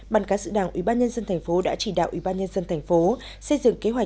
bàn cá sự đảng ủy ban nhân dân thành phố đã chỉ đạo ủy ban nhân dân thành phố xây dựng kế hoạch